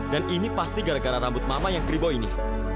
dan ini pasti gara gara rambut mama yang keribau ini